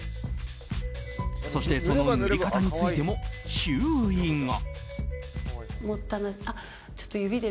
そして、その塗り方についても注意が。